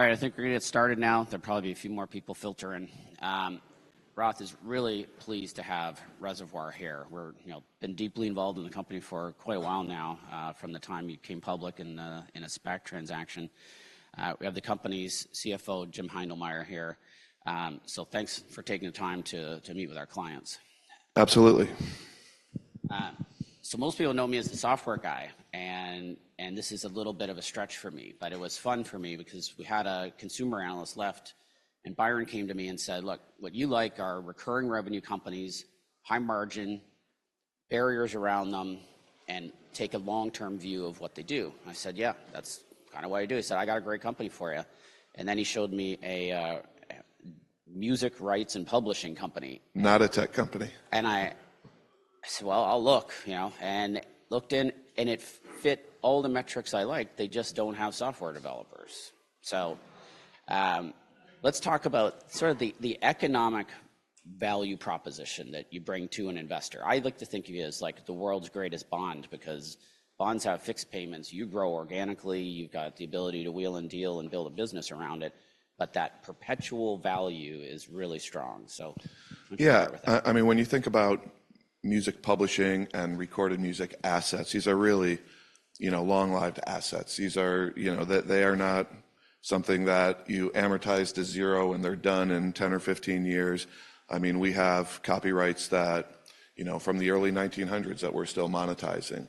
All right, I think we're going to get started now. There'll probably be a few more people filter in. Roth is really pleased to have Reservoir here. We're, you know, been deeply involved in the company for quite a while now, from the time you came public in a SPAC transaction. We have the company's CFO, Jim Heindlmeyer, here. So thanks for taking the time to meet with our clients. Absolutely. So most people know me as the software guy, and this is a little bit of a stretch for me, but it was fun for me because we had a consumer analyst left, and Byron came to me and said, "Look, what you like are recurring revenue companies, high margin, barriers around them, and take a long-term view of what they do." And I said, "Yeah, that's kind of what I do." He said, "I got a great company for you." And then he showed me a music rights and publishing company. Not a tech company. And I said, "Well, I'll look," you know, and looked in, and it fit all the metrics I liked. They just don't have software developers. So, let's talk about sort of the economic value proposition that you bring to an investor. I like to think of you as, like, the world's greatest bond because bonds have fixed payments. You grow organically. You've got the ability to wheel and deal and build a business around it. But that perpetual value is really strong. So I'm going to start with that. Yeah. I, I mean, when you think about music publishing and recorded music assets, these are really, you know, long-lived assets. These are, you know, they, they are not something that you amortize to zero and they're done in 10 or 15 years. I mean, we have copyrights that, you know, from the early 1900s that we're still monetizing.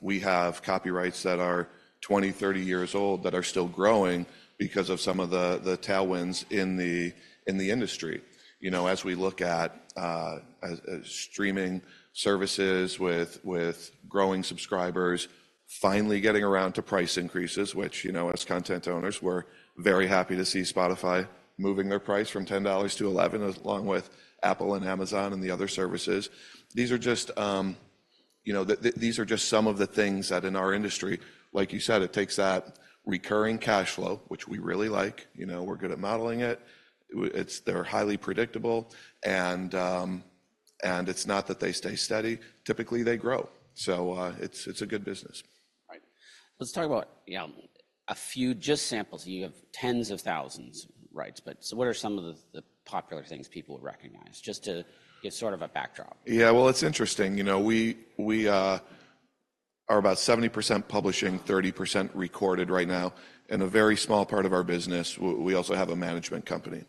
We have copyrights that are 20, 30 years old that are still growing because of some of the, the tailwinds in the, in the industry. You know, as we look at, as, as streaming services with, with growing subscribers, finally getting around to price increases, which, you know, as content owners, we're very happy to see Spotify moving their price from $10-$11, along with Apple and Amazon and the other services. These are just, you know, some of the things that in our industry, like you said, it takes that recurring cash flow, which we really like. You know, we're good at modeling it. It's, they're highly predictable. And it's not that they stay steady. Typically, they grow. So, it's a good business. All right. Let's talk about, you know, a few just samples. You have tens of thousands rights. But so what are some of the, the popular things people would recognize? Just to give sort of a backdrop. Yeah, well, it's interesting. You know, we are about 70% publishing, 30% recorded right now. And a very small part of our business, we also have a management company.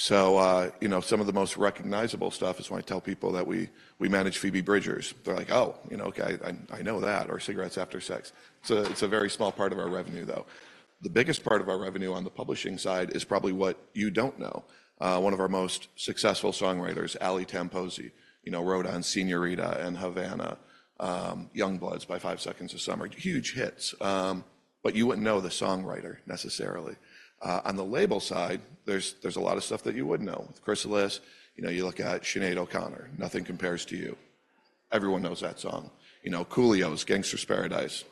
So, you know, some of the most recognizable stuff is when I tell people that we manage Phoebe Bridgers. They're like, "Oh, you know, okay, I know that," or Cigarettes After Sex. It's a very small part of our revenue, though. The biggest part of our revenue on the publishing side is probably what you don't know. One of our most successful songwriters, Ali Tamposi, you know, wrote on Señorita and Havana, Youngblood by 5 Seconds of Summer. Huge hits. But you wouldn't know the songwriter, necessarily. On the label side, there's a lot of stuff that you wouldn't know. With Chrysalis, you know, you look at Sinéad O'Connor. Nothing Compares 2 U. Everyone knows that song. You know, Coolio's Gangsta's Paradise,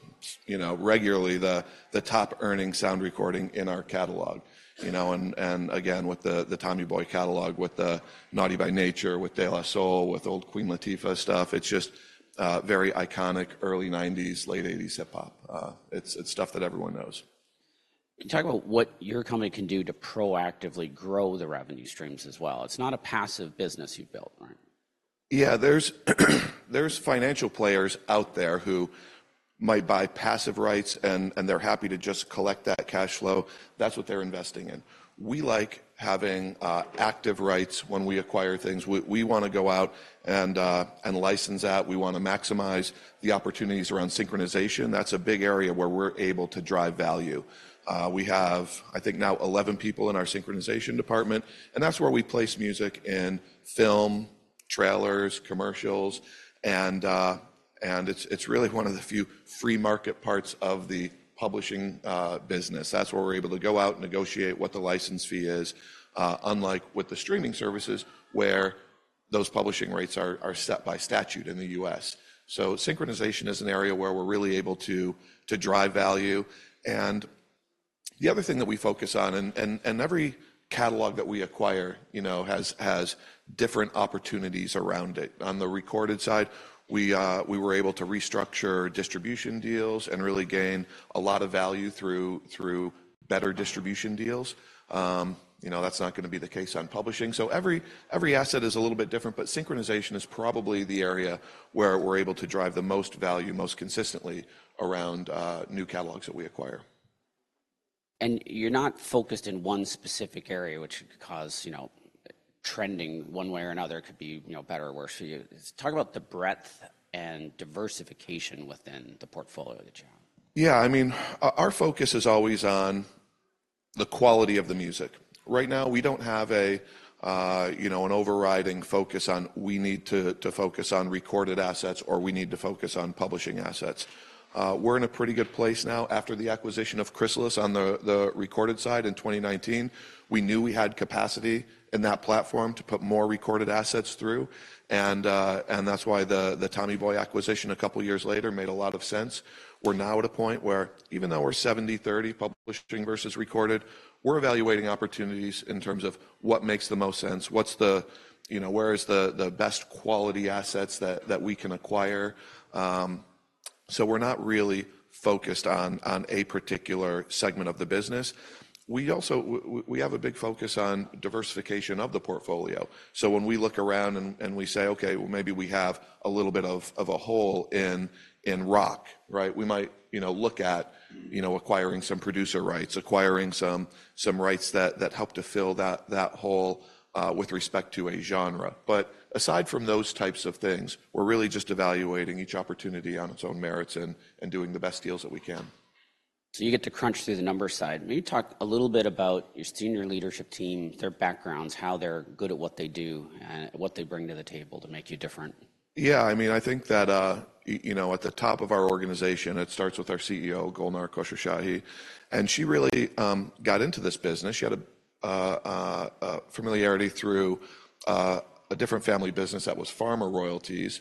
you know, regularly the top-earning sound recording in our catalog. You know, and again, with the Tommy Boy catalog, with the Naughty By Nature, with De La Soul, with old Queen Latifah stuff, it's just very iconic early 1990s, late 1980s hip hop. It's stuff that everyone knows. Can you talk about what your company can do to proactively grow the revenue streams as well? It's not a passive business you've built, right? Yeah, there are financial players out there who might buy passive rights, and they're happy to just collect that cash flow. That's what they're investing in. We like having active rights when we acquire things. We want to go out and license that. We want to maximize the opportunities around synchronization. That's a big area where we're able to drive value. We have, I think, now 11 people in our synchronization department. And that's where we place music in film, trailers, commercials. And it's really one of the few free-market parts of the publishing business. That's where we're able to go out, negotiate what the license fee is, unlike with the streaming services, where those publishing rights are set by statute in the U.S. So synchronization is an area where we're really able to drive value. And the other thing that we focus on, and every catalog that we acquire, you know, has different opportunities around it. On the recorded side, we were able to restructure distribution deals and really gain a lot of value through better distribution deals. You know, that's not going to be the case on publishing. So every asset is a little bit different. But synchronization is probably the area where we're able to drive the most value most consistently around new catalogs that we acquire. You're not focused in one specific area, which could cause, you know, trending one way or another. It could be, you know, better or worse. You talk about the breadth and diversification within the portfolio that you have. Yeah, I mean, our focus is always on the quality of the music. Right now, we don't have you know an overriding focus on, "We need to focus on recorded assets," or, "We need to focus on publishing assets." We're in a pretty good place now. After the acquisition of Chrysalis on the recorded side in 2019, we knew we had capacity in that platform to put more recorded assets through. And that's why the Tommy Boy acquisition a couple of years later made a lot of sense. We're now at a point where, even though we're 70/30 publishing versus recorded, we're evaluating opportunities in terms of what makes the most sense, what's the, you know, where is the best quality assets that we can acquire. So we're not really focused on a particular segment of the business. We also have a big focus on diversification of the portfolio. So when we look around and we say, "Okay, well, maybe we have a little bit of a hole in rock," right? We might, you know, look at, you know, acquiring some producer rights, acquiring some rights that help to fill that hole, with respect to a genre. But aside from those types of things, we're really just evaluating each opportunity on its own merits and doing the best deals that we can. So you get to crunch through the number side. Can you talk a little bit about your senior leadership team, their backgrounds, how they're good at what they do and what they bring to the table to make you different? Yeah, I mean, I think that, you know, at the top of our organization, it starts with our CEO, Golnar Khosrowshahi. And she really got into this business. She had a familiarity through a different family business that was pharma royalties.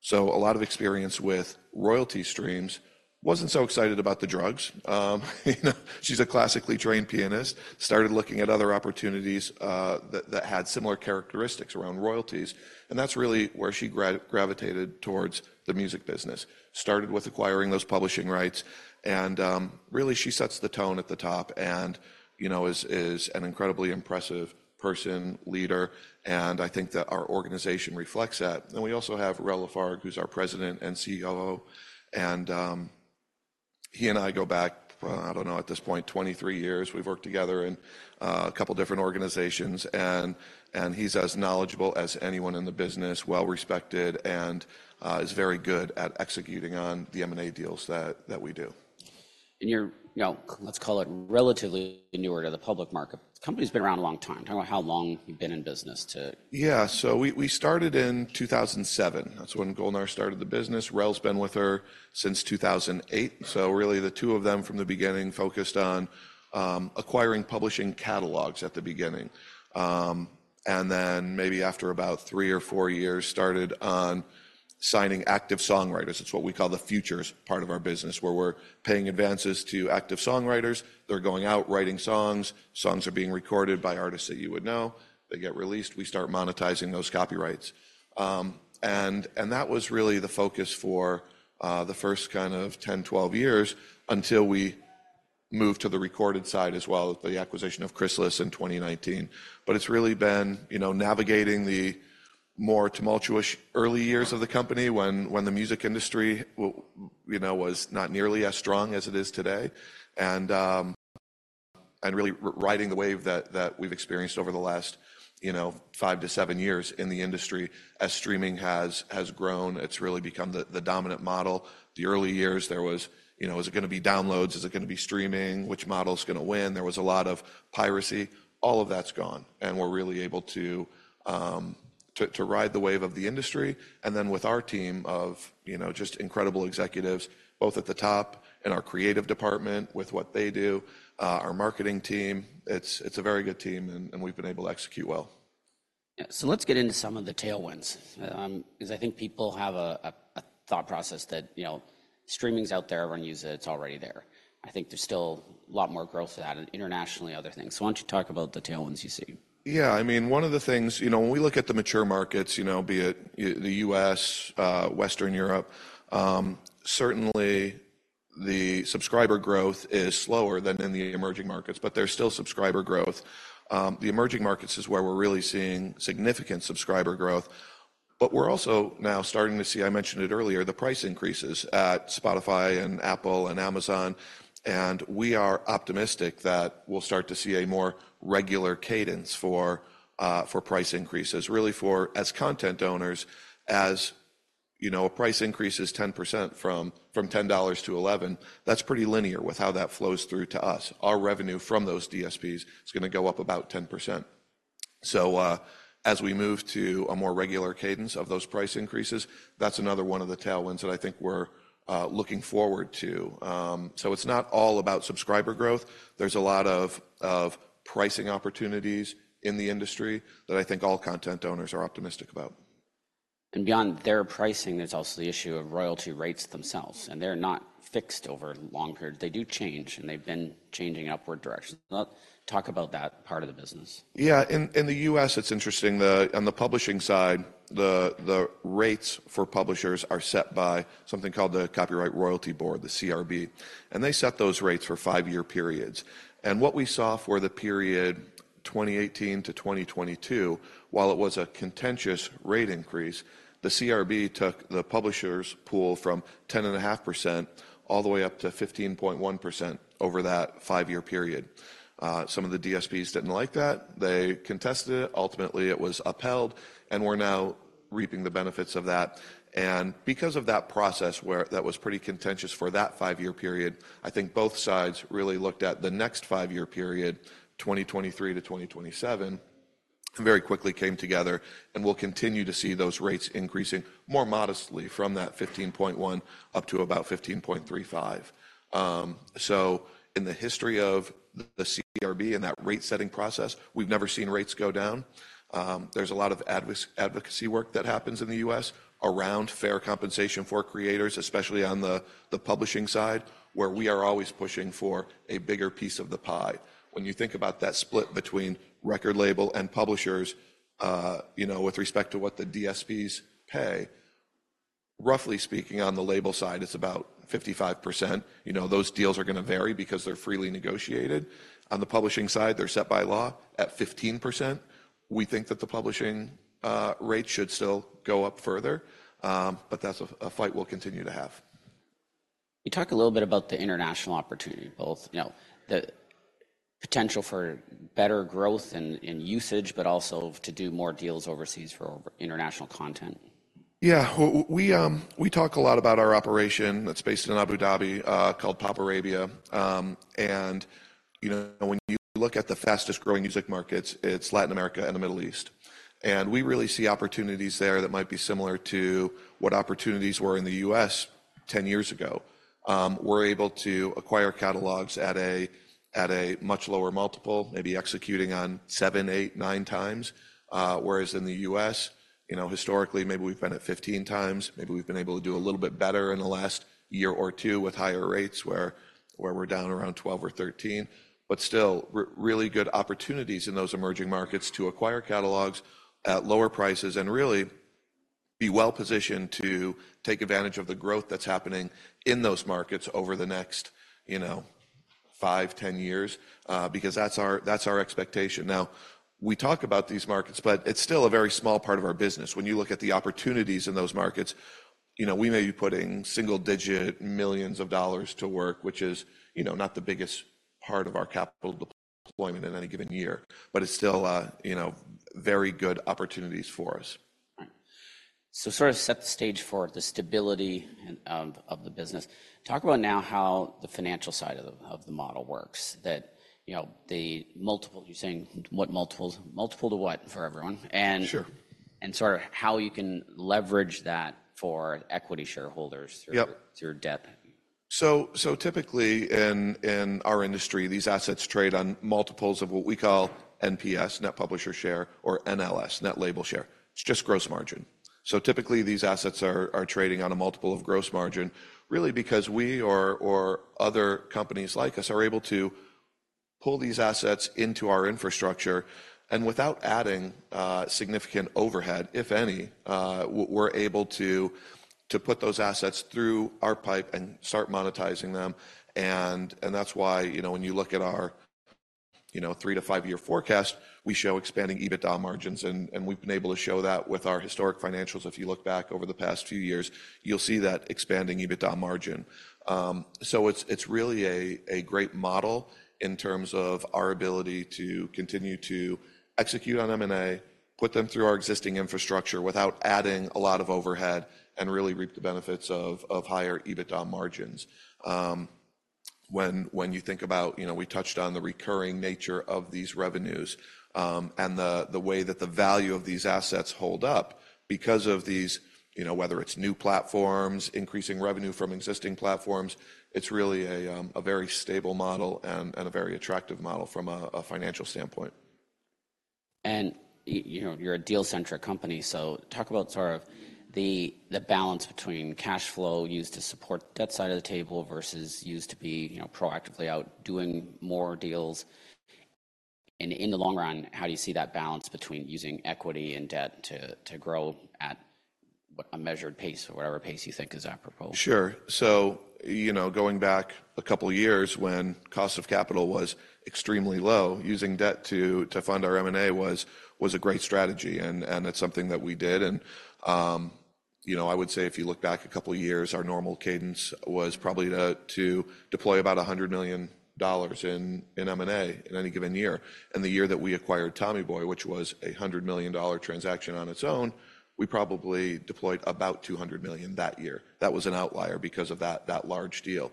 So a lot of experience with royalty streams. Wasn't so excited about the drugs, you know, she's a classically trained pianist. Started looking at other opportunities that had similar characteristics around royalties. And that's really where she gravitated towards the music business. Started with acquiring those publishing rights. And really, she sets the tone at the top and, you know, is an incredibly impressive person, leader. And I think that our organization reflects that. And we also have Rell Lafargue, who's our president and COO. And he and I go back, I don't know, at this point, 23 years. We've worked together in a couple of different organizations. And he's as knowledgeable as anyone in the business, well-respected, and is very good at executing on the M&A deals that we do. You're, you know, let's call it relatively newer to the public market. The company's been around a long time. Talk about how long you've been in business too. Yeah, so we, we started in 2007. That's when Golnar started the business. Rell's been with her since 2008. So really, the two of them from the beginning focused on acquiring publishing catalogs at the beginning. Then maybe after about three or four years, started on signing active songwriters. It's what we call the futures part of our business, where we're paying advances to active songwriters. They're going out, writing songs. Songs are being recorded by artists that you would know. They get released. We start monetizing those copyrights. And that was really the focus for the first kind of 10, 12 years until we moved to the recorded side as well, the acquisition of Chrysalis in 2019. But it's really been, you know, navigating the more tumultuous early years of the company when the music industry, you know, was not nearly as strong as it is today. And really riding the wave that we've experienced over the last, you know, five to seven years in the industry, as streaming has grown, it's really become the dominant model. The early years, there was, you know, "Is it going to be downloads? Is it going to be streaming? Which model's going to win?" There was a lot of piracy. All of that's gone. And we're really able to ride the wave of the industry. And then with our team of, you know, just incredible executives, both at the top in our creative department with what they do, our marketing team, it's, it's a very good team, and, and we've been able to execute well. Yeah, so let's get into some of the tailwinds, because I think people have a thought process that, you know, streaming's out there. Everyone uses it. It's already there. I think there's still a lot more growth for that and internationally, other things. So why don't you talk about the tailwinds you see? Yeah, I mean, one of the things, you know, when we look at the mature markets, you know, be it the U.S., Western Europe, certainly, the subscriber growth is slower than in the emerging markets. But there's still subscriber growth. The emerging markets is where we're really seeing significant subscriber growth. But we're also now starting to see, I mentioned it earlier, the price increases at Spotify and Apple and Amazon. And we are optimistic that we'll start to see a more regular cadence for price increases, really for as content owners, as, you know, a price increase is 10% from $10 to $11, that's pretty linear with how that flows through to us. Our revenue from those DSPs is going to go up about 10%. So, as we move to a more regular cadence of those price increases, that's another one of the tailwinds that I think we're looking forward to. So it's not all about subscriber growth. There's a lot of pricing opportunities in the industry that I think all content owners are optimistic about. Beyond their pricing, there's also the issue of royalty rates themselves. They're not fixed over long periods. They do change. They've been changing in upward direction. Talk about that part of the business. Yeah, in the U.S., it's interesting. On the publishing side, the rates for publishers are set by something called the Copyright Royalty Board, the CRB. And they set those rates for five-year periods. And what we saw for the period 2018-2022, while it was a contentious rate increase, the CRB took the publishers' pool from 10.5% all the way up to 15.1% over that five-year period. Some of the DSPs didn't like that. They contested it. Ultimately, it was upheld. And we're now reaping the benefits of that. And because of that process where that was pretty contentious for that five-year period, I think both sides really looked at the next five-year period, 2023-2027, and very quickly came together. And we'll continue to see those rates increasing more modestly from that 15.1% up to about 15.35%. In the history of the CRB and that rate-setting process, we've never seen rates go down. There's a lot of advocacy work that happens in the U.S. around fair compensation for creators, especially on the publishing side, where we are always pushing for a bigger piece of the pie. When you think about that split between record label and publishers, you know, with respect to what the DSPs pay, roughly speaking, on the label side, it's about 55%. You know, those deals are going to vary because they're freely negotiated. On the publishing side, they're set by law at 15%. We think that the publishing rate should still go up further. But that's a fight we'll continue to have. Can you talk a little bit about the international opportunity, both, you know, the potential for better growth in usage, but also to do more deals overseas for international content? Yeah, we talk a lot about our operation that's based in Abu Dhabi, called PopArabia. You know, when you look at the fastest-growing music markets, it's Latin America and the Middle East. We really see opportunities there that might be similar to what opportunities were in the U.S. 10 years ago. We're able to acquire catalogs at a much lower multiple, maybe executing on 7x, 8x, 9x. Whereas in the U.S., you know, historically, maybe we've been at 15x. Maybe we've been able to do a little bit better in the last year or two with higher rates, where we're down around 12 or 13. But still, really good opportunities in those emerging markets to acquire catalogs at lower prices and really be well-positioned to take advantage of the growth that's happening in those markets over the next, you know, 5, 10 years, because that's our, that's our expectation. Now, we talk about these markets, but it's still a very small part of our business. When you look at the opportunities in those markets, you know, we may be putting single-digit millions of dollars to work, which is, you know, not the biggest part of our capital deployment in any given year. But it's still, you know, very good opportunities for us. Right. So sort of set the stage for the stability of the business. Talk about now how the financial side of the model works, that, you know, the multiple you're saying—what multiples? Multiple to what for everyone? And. Sure. Sort of how you can leverage that for equity shareholders through. Yep. Through debt? So typically, in our industry, these assets trade on multiples of what we call NPS, Net Publisher Share, or NLS, Net Label Share. It's just gross margin. So typically, these assets are trading on a multiple of gross margin, really because we or other companies like us are able to pull these assets into our infrastructure. And without adding significant overhead, if any, we're able to put those assets through our pipe and start monetizing them. And that's why, you know, when you look at our, you know, three-five-year forecast, we show expanding EBITDA margins. And we've been able to show that with our historic financials. If you look back over the past few years, you'll see that expanding EBITDA margin. So it's really a great model in terms of our ability to continue to execute on M&A, put them through our existing infrastructure without adding a lot of overhead, and really reap the benefits of higher EBITDA margins. When you think about, you know, we touched on the recurring nature of these revenues, and the way that the value of these assets hold up because of these, you know, whether it's new platforms, increasing revenue from existing platforms, it's really a very stable model and a very attractive model from a financial standpoint. And you know, you're a deal-centric company. So talk about sort of the balance between cash flow used to support debt side of the table versus used to be, you know, proactively out doing more deals. And in the long run, how do you see that balance between using equity and debt to grow at what a measured pace or whatever pace you think is apropos? Sure. So, you know, going back a couple of years, when cost of capital was extremely low, using debt to fund our M&A was a great strategy. And it's something that we did. And, you know, I would say if you look back a couple of years, our normal cadence was probably to deploy about $100 million in M&A in any given year. And the year that we acquired Tommy Boy, which was a $100 million transaction on its own, we probably deployed about $200 million that year. That was an outlier because of that large deal.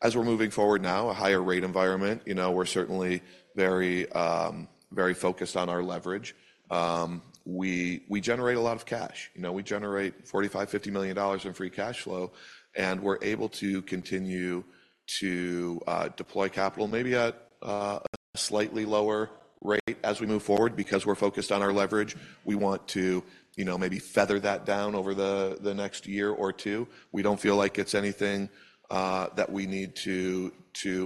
As we're moving forward now, a higher-rate environment, you know, we're certainly very, very focused on our leverage. We generate a lot of cash. You know, we generate $45-$50 million in free cash flow. We're able to continue to deploy capital maybe at a slightly lower rate as we move forward because we're focused on our leverage. We want to, you know, maybe feather that down over the next year or two. We don't feel like it's anything that we need to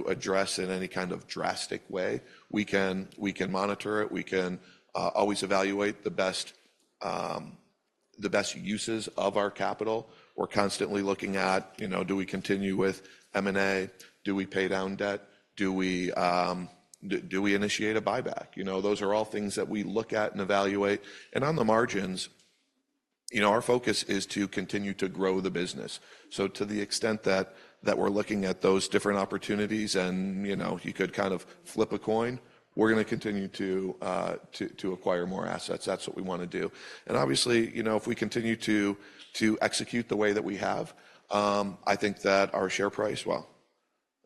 address in any kind of drastic way. We can monitor it. We can always evaluate the best uses of our capital. We're constantly looking at, you know, do we continue with M&A? Do we pay down debt? Do we initiate a buyback? You know, those are all things that we look at and evaluate. On the margins, you know, our focus is to continue to grow the business. So to the extent that we're looking at those different opportunities and, you know, you could kind of flip a coin, we're going to continue to acquire more assets. That's what we want to do. And obviously, you know, if we continue to execute the way that we have, I think that our share price well,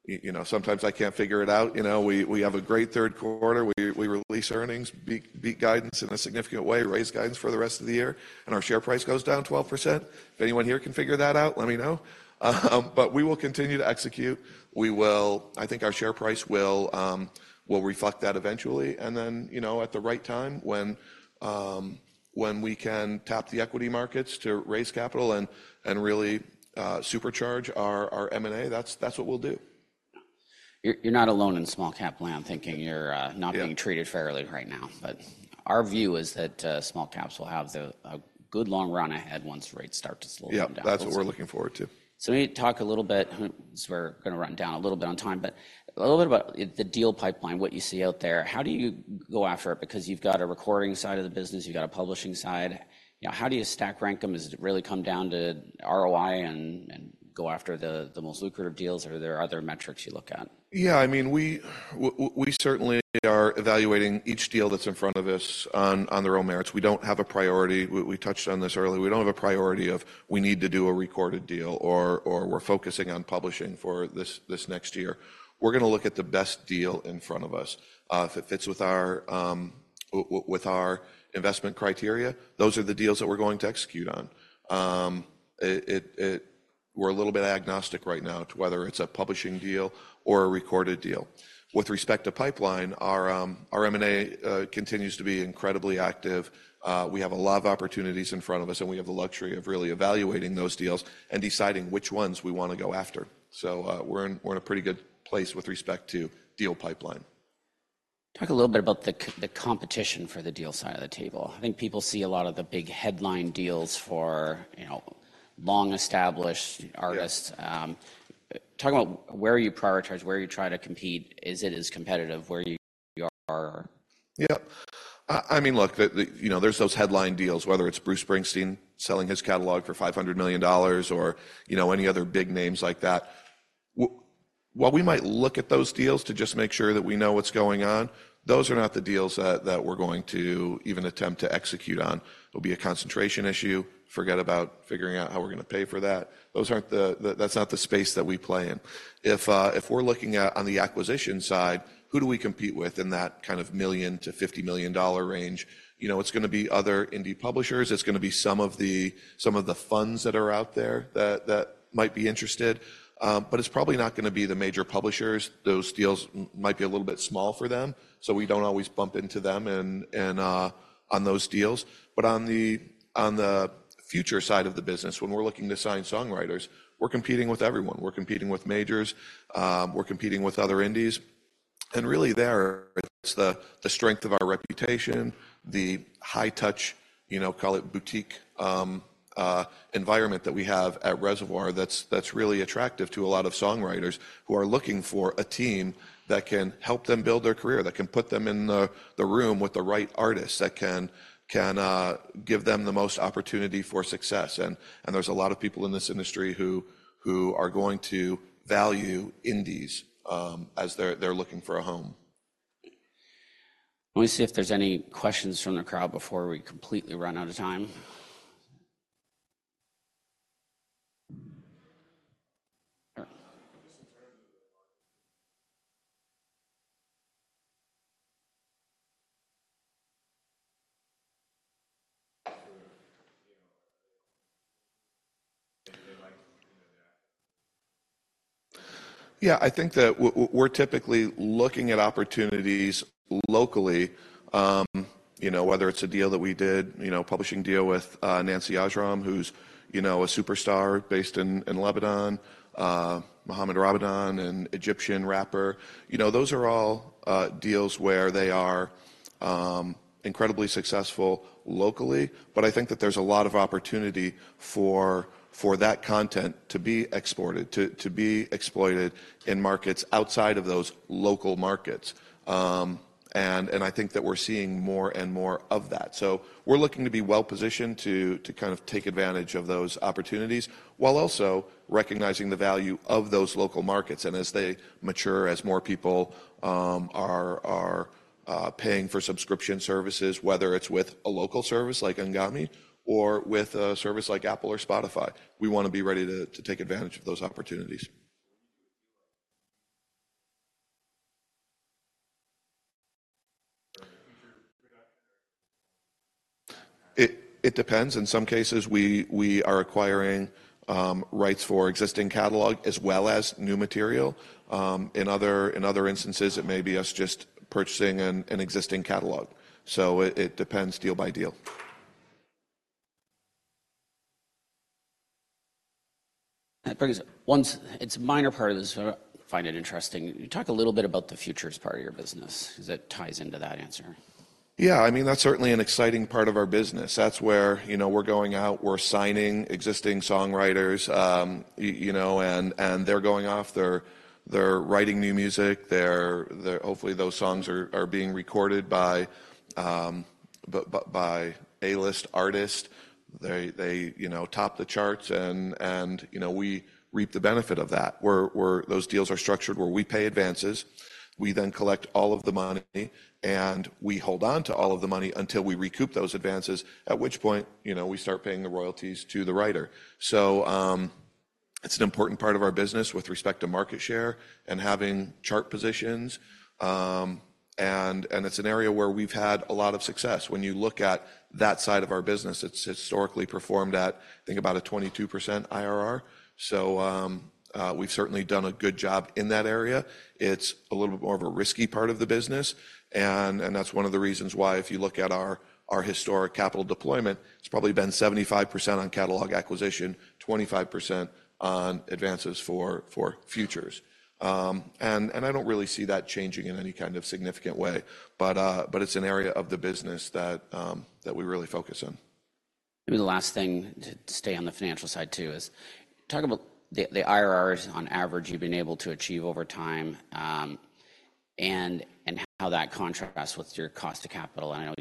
you know, sometimes I can't figure it out. You know, we have a great third quarter. We release earnings, beat guidance in a significant way, raise guidance for the rest of the year. And our share price goes down 12%. If anyone here can figure that out, let me know. But we will continue to execute. We will. I think our share price will reflect that eventually. And then, you know, at the right time when, when we can tap the equity markets to raise capital and, and really, supercharge our, our M&A, that's, that's what we'll do. You're not alone in small-cap land, thinking you're not being treated fairly right now. But our view is that small-caps will have a good long run ahead once rates start to slow down. Yeah, that's what we're looking forward to. So let me talk a little bit since we're going to run down a little bit on time, but a little bit about the deal pipeline, what you see out there. How do you go after it? Because you've got a recording side of the business. You've got a publishing side. You know, how do you stack rank them? Does it really come down to ROI and, and go after the, the most lucrative deals? Are there other metrics you look at? Yeah, I mean, we certainly are evaluating each deal that's in front of us on their own merits. We don't have a priority. We touched on this earlier. We don't have a priority of, "We need to do a recorded deal," or, "We're focusing on publishing for this next year." We're going to look at the best deal in front of us. If it fits with our investment criteria, those are the deals that we're going to execute on. We're a little bit agnostic right now to whether it's a publishing deal or a recorded deal. With respect to pipeline, our M&A continues to be incredibly active. We have a lot of opportunities in front of us. And we have the luxury of really evaluating those deals and deciding which ones we want to go after. So, we're in a pretty good place with respect to deal pipeline. Talk a little bit about the competition for the deal side of the table. I think people see a lot of the big headline deals for, you know, long-established artists. Talk about where you prioritize, where you try to compete. Is it as competitive where you are? Yep. I mean, look, the you know, there's those headline deals, whether it's Bruce Springsteen selling his catalog for $500 million or, you know, any other big names like that. While we might look at those deals to just make sure that we know what's going on, those are not the deals that we're going to even attempt to execute on. It'll be a concentration issue. Forget about figuring out how we're going to pay for that. Those aren't. That's not the space that we play in. If we're looking at on the acquisition side, who do we compete with in that kind of $1 million-$50 million range? You know, it's going to be other indie publishers. It's going to be some of the funds that are out there that might be interested. But it's probably not going to be the major publishers. Those deals might be a little bit small for them. So we don't always bump into them in on those deals. But on the future side of the business, when we're looking to sign songwriters, we're competing with everyone. We're competing with majors. We're competing with other indies. And really, there, it's the strength of our reputation, the high-touch, you know, call it boutique, environment that we have at Reservoir that's really attractive to a lot of songwriters who are looking for a team that can help them build their career, that can put them in the room with the right artists, that can give them the most opportunity for success. There's a lot of people in this industry who are going to value indies, as they're looking for a home. Let me see if there's any questions from the crowd before we completely run out of time. Yeah, I think that we're typically looking at opportunities locally, you know, whether it's a deal that we did, you know, publishing deal with Nancy Ajram, who's, you know, a superstar based in Lebanon, Mohamed Ramadan, an Egyptian rapper. You know, those are all deals where they are incredibly successful locally. But I think that there's a lot of opportunity for that content to be exported, to be exploited in markets outside of those local markets. And I think that we're seeing more and more of that. So we're looking to be well-positioned to kind of take advantage of those opportunities while also recognizing the value of those local markets. And as they mature, as more people are paying for subscription services, whether it's with a local service like Anghami or with a service like Apple or Spotify, we want to be ready to take advantage of those opportunities. It depends. In some cases, we are acquiring rights for existing catalog as well as new material. In other instances, it may be us just purchasing an existing catalog. So it depends deal by deal. I think once it's a minor part of this, I find it interesting. You talk a little bit about the futures part of your business. Does that tie into that answer? Yeah, I mean, that's certainly an exciting part of our business. That's where, you know, we're going out. We're signing existing songwriters, you know, and they're going off. They're writing new music. They're hopefully those songs are being recorded by A-list artists. They you know top the charts. And you know we reap the benefit of that. Where those deals are structured where we pay advances. We then collect all of the money. And we hold on to all of the money until we recoup those advances, at which point, you know, we start paying the royalties to the writer. So, it's an important part of our business with respect to market share and having chart positions, and it's an area where we've had a lot of success. When you look at that side of our business, it's historically performed at, I think, about a 22% IRR. So, we've certainly done a good job in that area. It's a little bit more of a risky part of the business. And that's one of the reasons why, if you look at our historic capital deployment, it's probably been 75% on catalog acquisition, 25% on advances for futures. And I don't really see that changing in any kind of significant way. But it's an area of the business that we really focus on. Maybe the last thing to stay on the financial side, too, is talk about the IRRs, on average, you've been able to achieve over time, and how that contrasts with your cost of capital. I know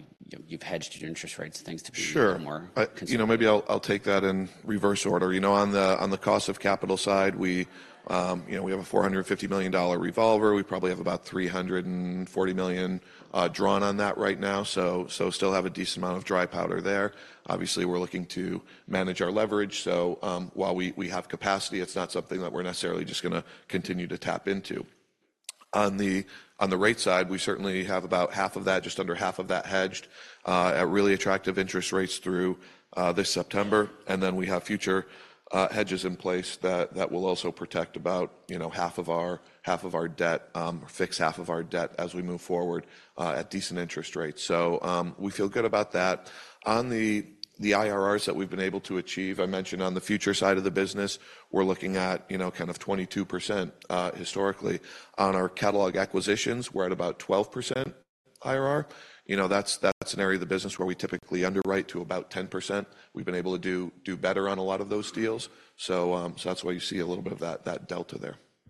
you've hedged your interest rates and things to be a little more. Sure. You know, maybe I'll take that in reverse order. You know, on the cost of capital side, you know, we have a $450 million revolver. We probably have about $340 million drawn on that right now. So still have a decent amount of dry powder there. Obviously, we're looking to manage our leverage. So, while we have capacity, it's not something that we're necessarily just going to continue to tap into. On the rate side, we certainly have about half of that, just under half of that, hedged at really attractive interest rates through this September. And then we have future hedges in place that will also protect about, you know, half of our debt, or fix half of our debt as we move forward, at decent interest rates. So, we feel good about that. On the IRRs that we've been able to achieve, I mentioned on the future side of the business, we're looking at, you know, kind of 22%, historically. On our catalog acquisitions, we're at about 12% IRR. You know, that's an area of the business where we typically underwrite to about 10%. We've been able to do better on a lot of those deals. So that's why you see a little bit of that delta there.